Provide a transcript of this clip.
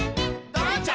「ドロンチャ！